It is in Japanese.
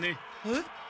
えっ？